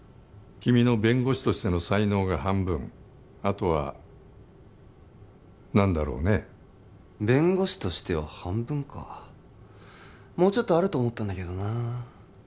君の弁護士としての才能が半分あとは何だろうね弁護士としては半分かもうちょっとあると思ったんだけどなあ